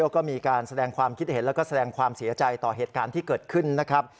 ก็มีการแสดงความคิดเห็นแล้วก็แสดงความเสียใจต่อเหตุการณ์ที่เกิดขึ้นนะครับ